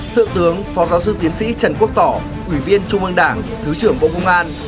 thượng tướng phó giáo sư tiến sĩ trần quốc tỏ ủy viên trung ương đảng thứ trưởng bộ công an